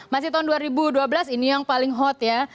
masih tahun dua ribu dua belas ini yang paling hot ya